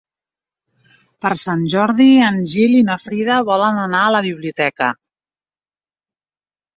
Per Sant Jordi en Gil i na Frida volen anar a la biblioteca.